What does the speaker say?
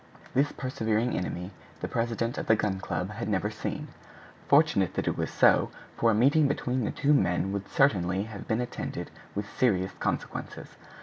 This persevering enemy the president of the Gun Club had never seen. Fortunate that it was so, for a meeting between the two men would certainly have been attended with serious consequences.